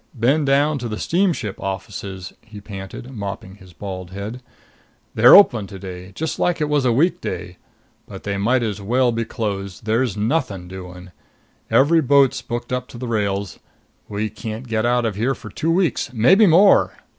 "Been down to the steamship offices," he panted, mopping his bald head. "They're open to day, just like it was a week day but they might as well be closed. There's nothing doing. Every boat's booked up to the rails; we can't get out of here for two weeks maybe more."